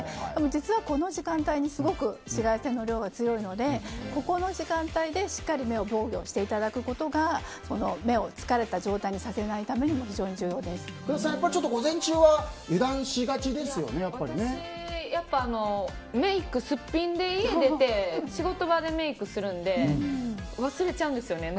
実はこの時間帯にすごく紫外線の量が強いのでここの時間帯でしっかり目を防御していただくことが目を疲れた状態にさせないためにも福田さん、午前中は私、メイク、すっぴんで家を出て仕事場でメイクするんで忘れちゃうんですよね